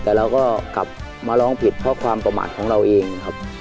แต่เราก็กลับมาร้องผิดเพราะความประมาทของเราเองครับ